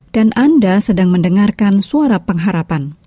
dan anda sedang mendengarkan suara pengharapan